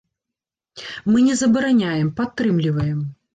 Мы не забараняем, падтрымліваем.